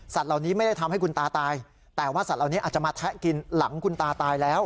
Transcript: เหล่านี้ไม่ได้ทำให้คุณตาตายแต่ว่าสัตว์เหล่านี้อาจจะมาแทะกินหลังคุณตาตายแล้ว